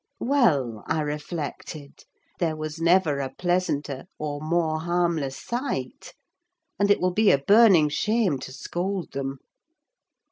Well, I reflected, there was never a pleasanter, or more harmless sight; and it will be a burning shame to scold them.